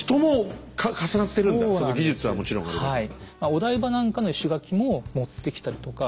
お台場なんかの石垣も持ってきたりとか。